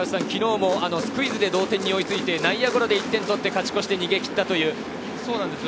昨日もスクイズで同点に追いついて内野ゴロで１点取って、勝ち越しで逃げ切ったという。